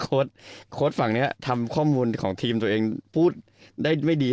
โค้ดฝั่งนี้ทำข้อมูลของทีมตัวเองพูดได้ไม่ดี